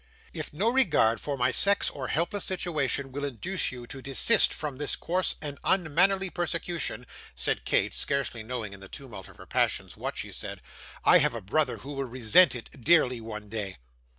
'If no regard for my sex or helpless situation will induce you to desist from this coarse and unmanly persecution,' said Kate, scarcely knowing, in the tumult of her passions, what she said, 'I have a brother who will resent it dearly, one day.